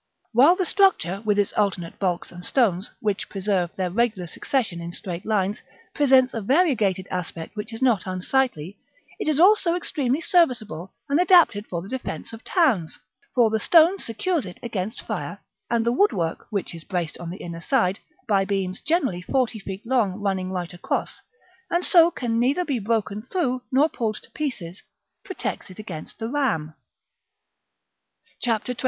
While the structure, with its alternate balks and stones, which preserve their regular succession in straight lines, presents a variegated aspect which is not unsightly, it is also extremely serviceable and adapted for the defence of towns ; for the stone secures it against fire, and the woodwork, which is braced on the inner side by beams generally forty feet long running right across, and so can neither be broken through nor pulled to pieces, protects it against the ram.^ 24.